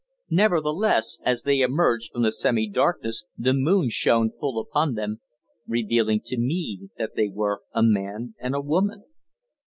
Nevertheless, as they emerged from the semi darkness the moon shone full upon them, revealing to me that they were a man and a woman.